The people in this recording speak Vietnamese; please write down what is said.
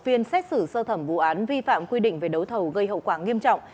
phiên xét xử sơ thẩm vụ án vi phạm quy định về đấu thầu gây hậu quả nghiêm trọng